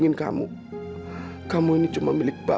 stik bersama f nest lalu gota bakal jemputin kita